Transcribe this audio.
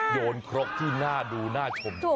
โยนคลกขึ้นหน้าดูหน้าชมนั่นจริง